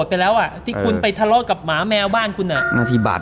ไอะที่คุณไปทะเลอดกับหมาแมวบ้านคุณนะบา